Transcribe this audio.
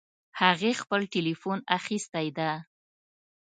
هغې خپل ټیلیفون اخیستی ده